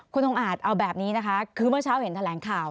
คุณองค์อาจเอาแบบนี้นะคะคือเมื่อเช้าเห็นแถลงข่าว